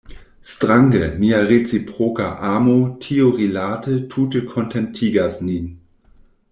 Strange, nia reciproka amo tiurilate tute kontentigas nin.